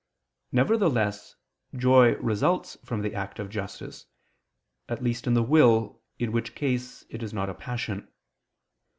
Nevertheless, joy results from the act of justice; at least in the will, in which case it is not a passion.